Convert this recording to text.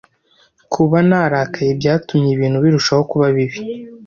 Kuba narakaye byatumye ibintu birushaho kuba bibi.